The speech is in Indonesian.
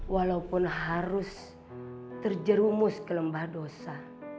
walaupun harus terjerumus ke lembah dosa